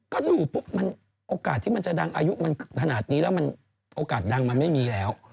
ก็ดูปุ๊บมันโอกาสที่มันจะดังอายุมันขนาดนี้แล้วมันโอกาสดังมันไม่มีแล้ว